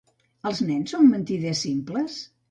Els nens són mentiders simples?